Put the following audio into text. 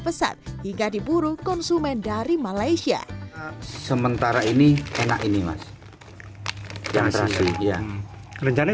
pesat hingga diburu konsumen dari malaysia sementara ini enak ini mas yang terakhir ya rencana